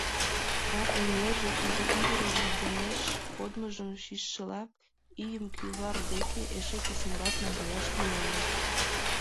А эҥерже изи ӱдырын вийдымеш кодмыжым шижшыла, ийым кӱвар деке эше писынрак наҥгаяш тӱҥале.